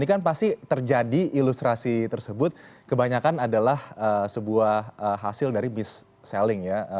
ini kan pasti terjadi ilustrasi tersebut kebanyakan adalah sebuah hasil dari misselling ya